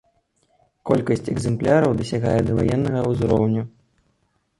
Колькасць экзэмпляраў дасягае даваеннага ўзроўню.